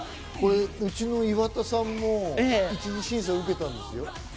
うちの岩田さんも１次審査受けたんですよ。